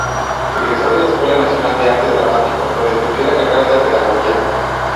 Egresó de la Escuela Nacional de Arte Dramático, donde estudió la carrera de Pedagogía.